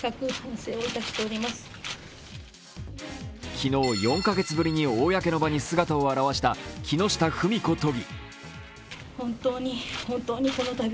昨日、４カ月ぶりに公の場に姿を現した木下富美子都議。